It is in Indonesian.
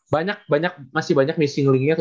banyak banyak masih banyak missing link nya tuh